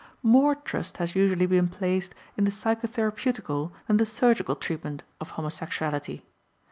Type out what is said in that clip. More trust has usually been placed in the psychotherapeutical than the surgical treatment of homosexuality.